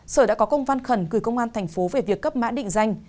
sở đã có công văn khẩn gửi công an thành phố về việc cấp mã định danh